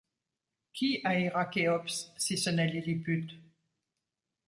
Qui haïra Chéops si ce n’est Lilliput ?